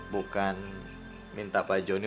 bukan minta pak jonny